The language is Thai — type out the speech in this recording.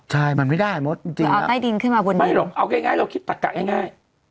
ใช่มันไม่ได้มดจริงอะไม่หรอกเอาแก้ง่ายเราคิดตะกะแก้ง่าย